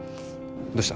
どうした？